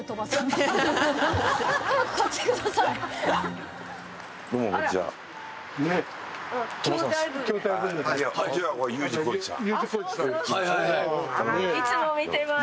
いつも見てます。